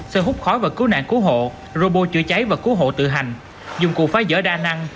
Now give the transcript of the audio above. xe hút khói và cứu nạn cứu hộ robot chữa cháy và cứu hộ tự hành dụng cụ phá dỡ đa năng